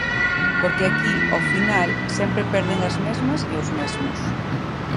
Porque aquí ao final sempre perden as mesmas e os mesmos.